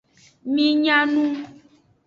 Mi nya nu.